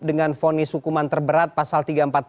dengan fonis hukuman terberat pasal tiga ratus empat puluh